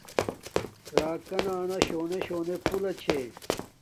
راکانا نا شونے شونے پھولہ چھے